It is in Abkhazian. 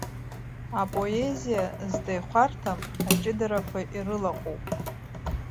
Апоезиа зда ихәарҭам аҷыдарақәа ирылаҟоуп.